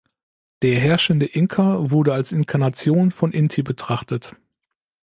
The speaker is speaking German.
Der herrschende Inka wurde als Inkarnation von Inti betrachtet.